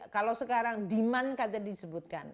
kalau sekarang demand kata disebutkan